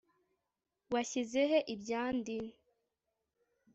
washyize he ibyandi?